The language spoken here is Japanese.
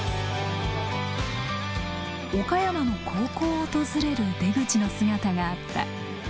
岡山の高校を訪れる出口の姿があった。